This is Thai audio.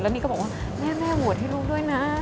นี่ก็บอกว่าแม่โหวตให้ลูกด้วยนะ